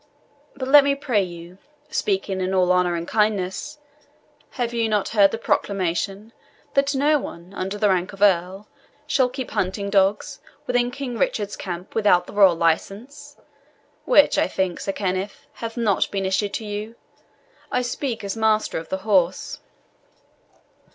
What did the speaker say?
But let me pray you speaking in all honour and kindness have you not heard the proclamation that no one under the rank of earl shall keep hunting dogs within King Richard's camp without the royal license, which, I think, Sir Kenneth, hath not been issued to you? I speak as Master of the Horse."